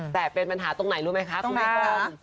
แต่เป็นปัญหาตรงไหนรู้ไหมคะคุณผู้ชม